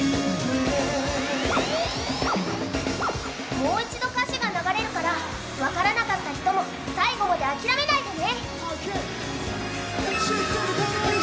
もう一度歌詞が流れるから、分からなかった人も最後まで諦めないでね。